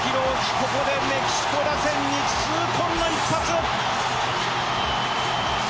ここでメキシコ打線に痛恨の一発。